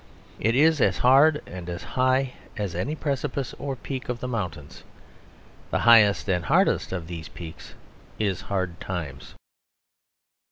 It is as hard and as high as any precipice or peak of the mountains. The highest and hardest of these peaks is Hard Times.